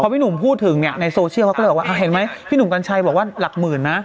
พี่หนุ่มพูดถึงเนี่ยในโซเชียลเขาก็เลยบอกว่าเห็นไหมพี่หนุ่มกัญชัยบอกว่าหลักหมื่นนะ